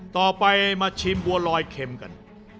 ต่อไปมาชิมบัวลอยเค็มกัน